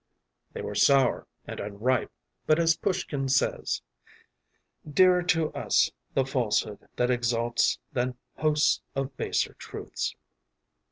’ “They were sour and unripe, but, as Pushkin says: “‘Dearer to us the falsehood that exalts Than hosts of baser truths.